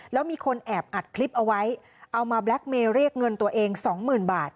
แล้วมีคนแอบอัดคลิปเอาไว้เอามาแบล็คเมย์เรียกเงินตัวเองสองหมื่นบาท